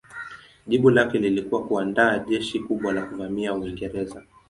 Jibu lake lilikuwa kuandaa jeshi kubwa la kuvamia Uingereza.